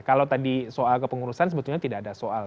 kalau tadi soal kepengurusan sebetulnya tidak ada soal